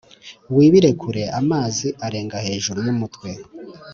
wibire kure, amazi arenga hejuru yumutwe.